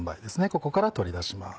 ここから取り出します。